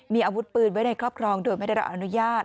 มีอาวุธปืนไว้ในครอบครองโดยไม่ได้รับอนุญาต